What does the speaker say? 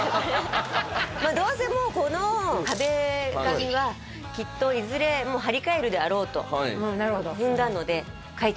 どうせもうこの壁紙はきっといずれ張り替えるであろうとうんなるほどなので書い